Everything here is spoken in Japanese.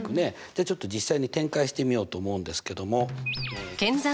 じゃあちょっと実際に展開してみようと思うんですけども。